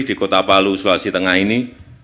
di kota palu sulawesi tengah ini